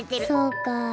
そうか。